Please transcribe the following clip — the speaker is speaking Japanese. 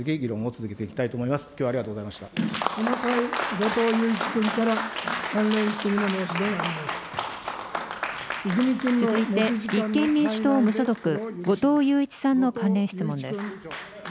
続いて立憲民主党・無所属、後藤祐一さんの関連質問です。